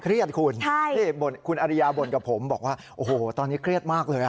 คุณอริยาบ่นกับผมบอกว่าโอ้โหตอนนี้เครียดมากเลย